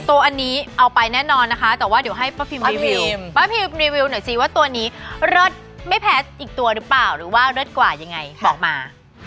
ตัวอันนี้เอาไปแน่นอนนะคะแต่ว่าเดี๋ยวให้ป้าพิมป้าพิมป้าพิมรีวิวหน่อยสิว่าตัวนี้เลิศไม่แพ้อีกตัวหรือเปล่าหรือว่าเลิศกว่ายังไงบอกมา